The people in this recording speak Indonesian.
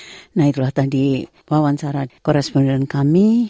sampai jumpa di wawancara koresponden kami